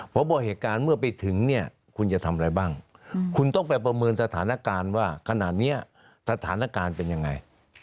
ผมบอกเหตุการณ์เมื่อไปถึงเนี่ยคุณจะทำอะไรบ้างคุณต้องไปประเมินสถานการณ์ว่าขนาดนี้สถานการณ์เป็นยังไง